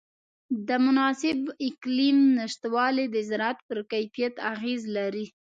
د مناسب اقلیم نهشتوالی د زراعت پر کیفیت اغېز لري.